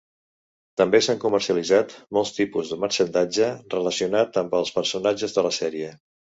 També s'han comercialitzat molts tipus de marxandatge relacionat amb els personatges de la sèrie.